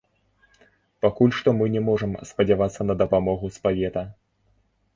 Пакуль што мы не можам спадзявацца на дапамогу з павета.